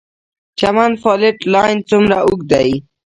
چمن فالټ لاین څومره اوږد دی؟